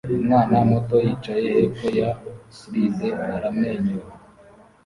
Umwana muto yicaye hepfo ya slide aramwenyura